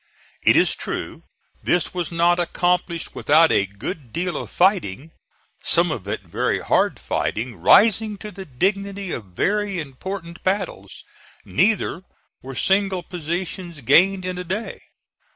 It is true this was not accomplished without a good deal of fighting some of it very hard fighting, rising to the dignity of very important battles neither were single positions gained in a day.